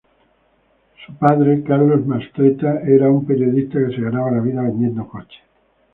Su padre, Carlos Mastretta, era un periodista que se ganaba la vida vendiendo coches.